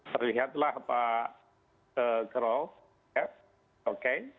terlihatlah pak kero